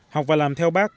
học và làm theo bác